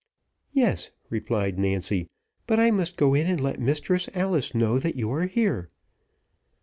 "Yes," replied Nancy, "but I must go in and let Mistress Alice know that you are here."